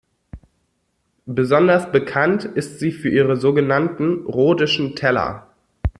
Besonders bekannt ist sie für ihre sogenannten Rhodischen Teller.